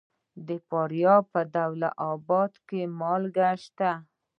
د فاریاب په دولت اباد کې مالګه شته.